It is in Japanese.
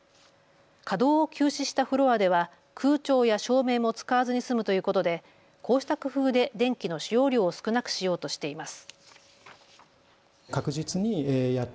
稼働を休止したフロアでは空調や照明も使わずに済むということでこうした工夫で電気の使用量を少なくしようとしています。